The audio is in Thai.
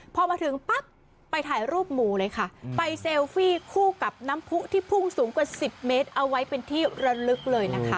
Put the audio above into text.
พอมาถึงปั๊บไปถ่ายรูปหมูเลยค่ะไปเซลฟี่คู่กับน้ำผู้ที่พุ่งสูงกว่า๑๐เมตรเอาไว้เป็นที่ระลึกเลยนะคะ